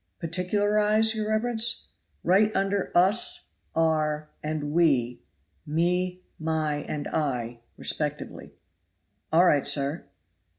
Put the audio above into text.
"Particularize, your reverence?" "Write under 'us' 'our' and 'we,' 'me',' my' and 'I'; respectively." "All right, sir."